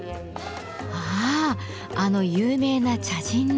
ああの有名な茶人の。